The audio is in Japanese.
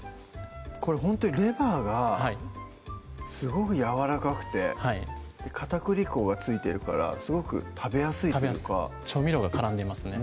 これほんとにレバーがすごくやわらかくて片栗粉が付いてるからすごく食べやすいというか調味料が絡んでますね